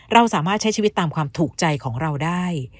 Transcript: เราสามารถใช้ชีวิตตามความถูกใจของเราได้